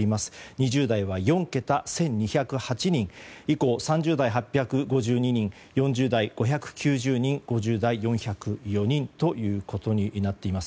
２０代は４桁の１２０８人、以降３０代、８５２人４０代、５９０人５０代、４０４人ということになっています。